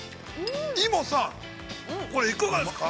◆イモさん、これ、いかがですか。